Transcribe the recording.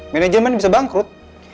manajemen bisa bangkrut